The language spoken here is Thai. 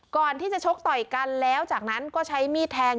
ก่อนที่จะชกต่อยกันแล้วจากนั้นก็ใช้มีดแทง